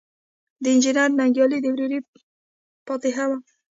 د انجنیر ننګیالي د ورېرې فاتحه وه.